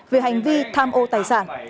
về hành vi tham ô tài sản